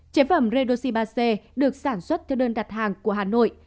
chế phẩm redoxi ba c được sản xuất theo đơn đặt hàng của hà nội